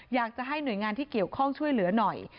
อยากจะให้หน่วยงานที่เกี่ยวข้องช่วยเหลือหน่อย